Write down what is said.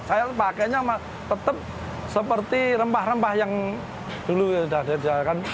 saya pakai tetap seperti rempah rempah yang dulu ada